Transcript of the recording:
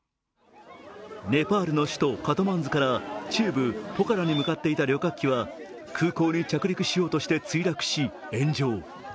ネパールの首都カトマンズから中部ポカラに向かっていた旅客機は空港に着陸しようとして墜落し、炎上。